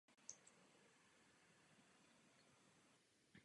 Kostel je po většinu roku uzavřen.